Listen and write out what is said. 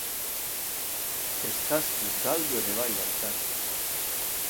Eskastu galdu ere bai baita.